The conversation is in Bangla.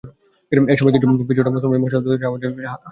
এ সময় পিছু হঁটা মুসলমানদের পশ্চাদ্ধাবনে অনেক হাওয়াযিনকে আসতে দেখা যায়।